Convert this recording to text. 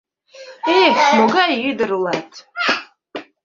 Эх, могай ӱдыр улат!